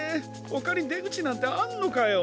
ほかにでぐちなんてあんのかよ！